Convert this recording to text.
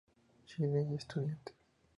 Chile y Estudiantes.